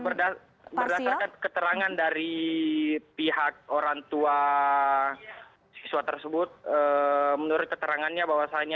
berdasarkan keterangan dari pihak orang tua siswa tersebut menurut keterangannya bahwasannya